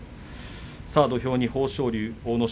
土俵に豊昇龍と阿武咲。